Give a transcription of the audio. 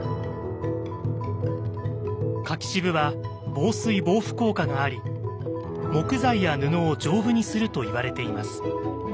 柿渋は防水・防腐効果があり木材や布を丈夫にすると言われています。